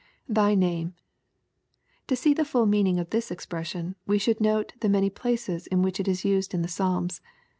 [Thy name.] To see the full meamng of this expression, we should note the many places in which it is used in the Psalms.